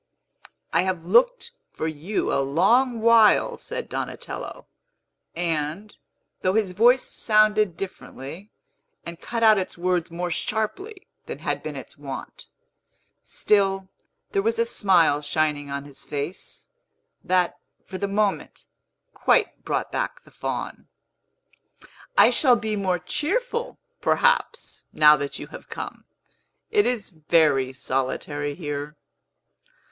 "I have looked for you a long while," said Donatello; and, though his voice sounded differently, and cut out its words more sharply than had been its wont, still there was a smile shining on his face, that, for the moment, quite brought back the Faun. "I shall be more cheerful, perhaps, now that you have come. It is very solitary here."